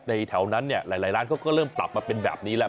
ในแถวนั้นหลายร้านก็เริ่มตรับมาเป็นแบบนี้แหละ